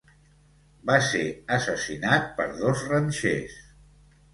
Va ser assassinat per dos ranxers.